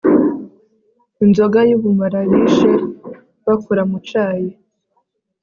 Inzoga yubumara yishe bakora mu cayi